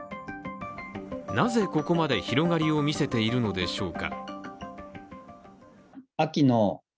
なぜ、ここまで広がりを見せているのでしょうか。